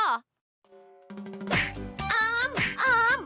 ปลาดไหล